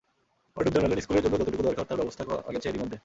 অর্ণব জানালেন, স্কুলের জন্য যতটুকু দরকার তার ব্যবস্থা করা গেছে এরই মধ্যে।